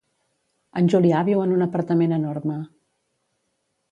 En Julià viu en un apartament enorme.